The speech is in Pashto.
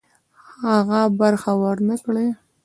هغه برخه ورنه کړي.